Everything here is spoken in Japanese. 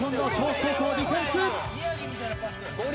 北高校ディフェンス。